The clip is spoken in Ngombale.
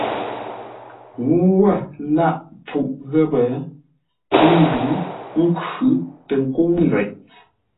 Ŋuu wə̂ lâghʼ pfuʼ ghəpə́ ńdǔ ńkhʉ́ tə nkə́u nzeʼ.